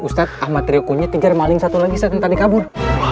ustadz ahmad trio kunyit ngejar maling satu lagi ustadz yang tadi kabur